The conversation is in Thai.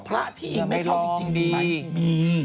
พี่ปุ้ยลูกโตแล้ว